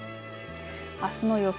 あすの予想